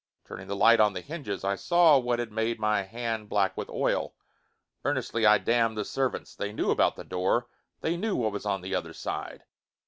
Turning the light on the hinges, I saw what had made my hand black with oil. Earnestly I damned the servants. They knew about the door. They knew what was on the other side!